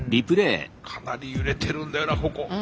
かなり揺れてるんだよなここ。